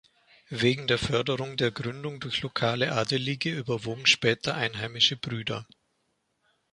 Wegen der Förderung der Gründung durch lokale Adelige überwogen später einheimische Brüder.